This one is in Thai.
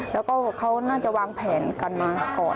แล้วก็เขาน่าจะวางแผนกันมาก่อน